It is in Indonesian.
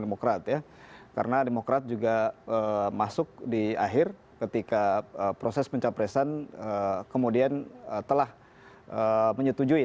demokrat ya karena demokrat juga masuk di akhir ketika proses pencapresan kemudian telah menyetujui